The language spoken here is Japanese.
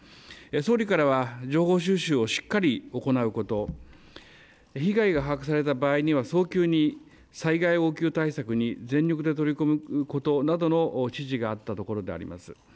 総理からは情報収集をしっかり行うこと、被害が把握された場合には早急に災害応急対策に全力で取り組むことなどの指示があったところであります。